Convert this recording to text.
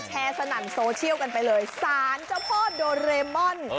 สนั่นโซเชียลกันไปเลยสารเจ้าพ่อโดเรมอน